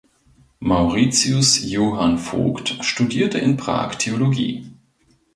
Mauritius Johann Vogt studierte in Prag Theologie.